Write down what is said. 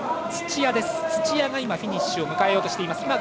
土屋が今フィニッシュを迎えようとしています。